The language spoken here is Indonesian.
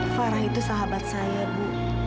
farah itu sahabat saya bu